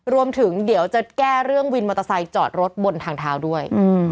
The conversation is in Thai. รวมถึงเดี๋ยวจะแก้เรื่องวินมอเตอร์ไซค์จอดรถบนทางเท้าด้วย